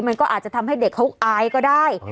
มันก็อาจจะทำให้เด็กเขาอายก็ได้